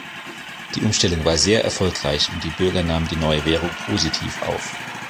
Die Umstellung war sehr erfolgreich, und die Bürger nahmen die neue Währung positiv auf.